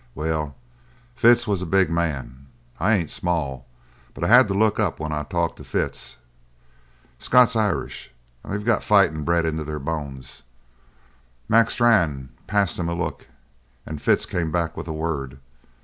Well, Fitz was a big man. I ain't small, but I had to look up when I talked to Fitz. Scotch Irish, and they got fightin' bred into their bone. Mac Strann passed him a look and Fitz come back with a word.